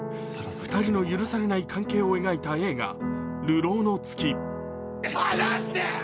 ２人の許されない関係を描いた映画「流浪の月」。